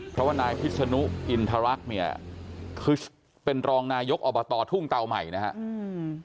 เพราะว่านายพิษนุอินทรรักษ์เนี่ยคือเป็นรองนายกอบตทุ่งเตาใหม่นะครับ